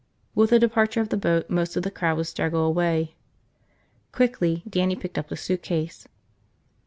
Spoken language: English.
With the departure of the boat most of the crowd would straggle away. Quickly, Dannie picked up the suitcase.